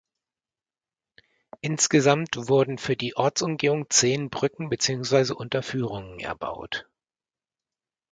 Insgesamt wurden für die Ortsumgehung zehn Brücken beziehungsweise Unterführungen erbaut.